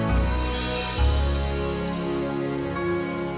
nanti kalau ketahuan ditangkap